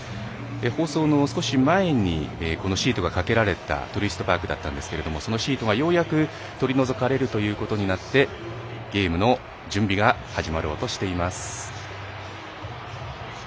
放送の少し前にこのシートがかけられたトゥルイストパークだったんですけれどもそのシートがようやく取り除かれるということになってゲームの準備が始まろうとしています。